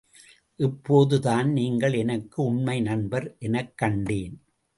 இப்போதுதான் நீங்கள் எனக்கு உண்மை நண்பர் எனக் கண்டேன்.